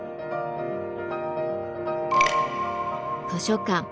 図書館。